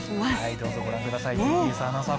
どうぞご覧ください。